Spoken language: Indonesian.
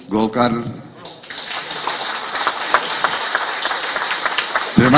dan saya berterima kasih kepada pak bukar